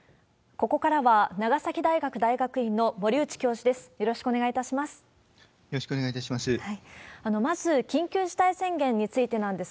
ここからは長崎大学大学院の森内教授です。